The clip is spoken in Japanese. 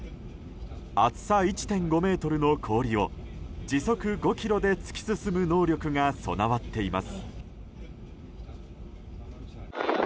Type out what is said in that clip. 厚さ１．５ｍの氷を時速５キロで突き進む能力が備わっています。